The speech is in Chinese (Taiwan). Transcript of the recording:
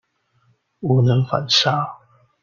我能反殺